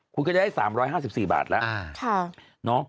คุณก็จะได้๓๕๔บาทแล้ว